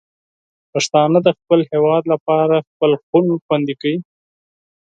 پښتانه د خپل هېواد لپاره خپل خون خوندي کوي.